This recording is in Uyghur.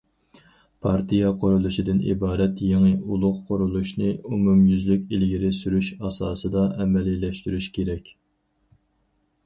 پارتىيە قۇرۇلۇشىدىن ئىبارەت يېڭى، ئۇلۇغ قۇرۇلۇشنى ئومۇميۈزلۈك ئىلگىرى سۈرۈش ئاساسىدا ئەمەلىيلەشتۈرۈش كېرەك.